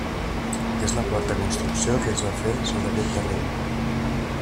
És la quarta construcció que es va fer sobre aquest terreny.